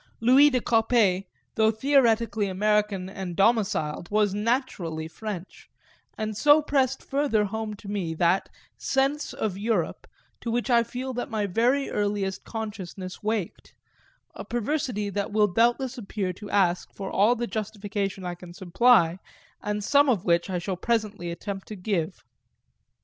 Louis De Coppet, though theoretically American and domiciled, was naturally French, and so pressed further home to me that "sense of Europe" to which I feel that my very earliest consciousness waked a perversity that will doubtless appear to ask for all the justification I can supply and some of which I shall presently attempt to give.